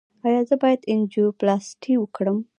ایا زه باید انجیوپلاسټي وکړم؟